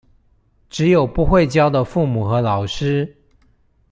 只有不會教的父母和老師